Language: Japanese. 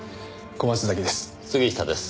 小松崎です。